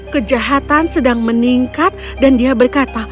kejahatan sedang meningkat dan dia berkata